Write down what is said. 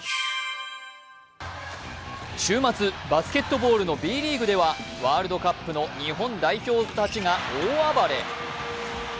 週末、バスケットボールのＢリーグではワールドカップの日本代表たちが大暴れ。